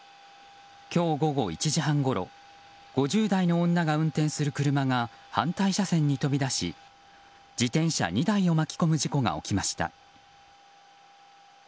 今日午後１時半ごろ５０代の女が運転する車が反対車線に飛び出し自転車２台を巻き込む事故が起きました。